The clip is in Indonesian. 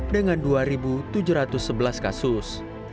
dengan dua tujuh ratus sebelas kasus